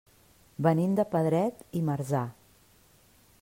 Venim de Pedret i Marzà.